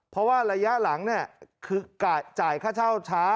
เพราะว่าระยะหลังคือจ่ายค่าเช่าช้า